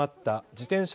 自転車